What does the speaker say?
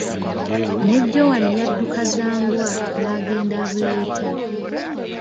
Ne Jowani yadduka za mbwa, n'agenda abuleeta.